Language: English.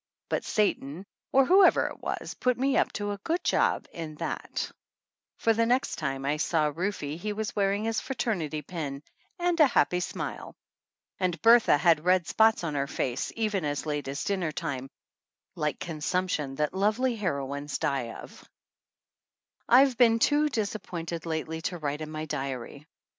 But 19 THE ANNALS OF ANN Satan, or whoever it was, put me up to a good job in that, for the next time I saw Rufe he was wearing his fraternity pin and a happy smile. And Bertha had red spots on her face, even as late as dinner time, like consumption that lovely heroines die of. I've been too disappointed lately to write in my diary.